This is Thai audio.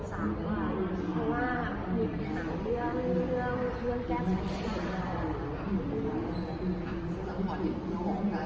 สำหรับพ่อเด็กน้องห่วงใกล้กันได้พอครับ